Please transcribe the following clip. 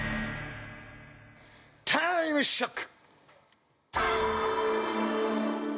タイムショック！